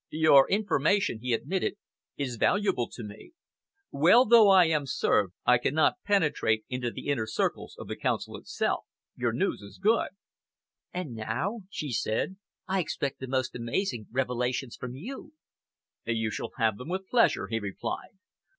"Your information," he admitted, "is valuable to me. Well though I am served, I cannot penetrate into the inner circles of the Council itself. Your news is good." "And now," she said, "I expect the most amazing revelations from you." "You shall have them, with pleasure," he replied.